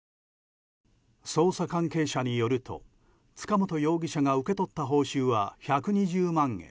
捜査関係者によると塚本容疑者が受け取った報酬は１２０万円。